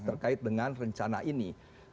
terkait dengan rencana ini